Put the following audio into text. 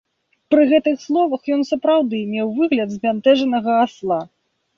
Пры гэтых словах ён сапраўды меў выгляд збянтэжанага асла.